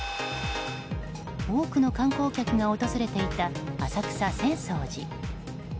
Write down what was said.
多くの観光客が訪れていた浅草・浅草寺。